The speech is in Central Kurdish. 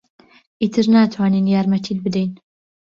ئیتر ناتوانین یارمەتیت بدەین.